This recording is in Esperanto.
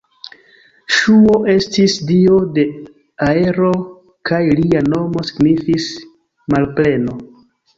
Ŝuo estis dio de aero kaj lia nomo signifis "malpleno".